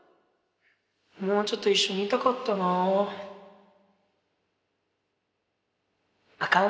もうちょっと一緒にいたかったなぁあかん？